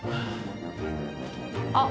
あっ！